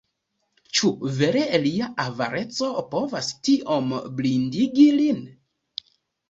Ĉu vere lia avareco povas tiom blindigi lin?